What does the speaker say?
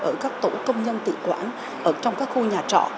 ở các tổ công nhân tự quản ở trong các khu nhà trọ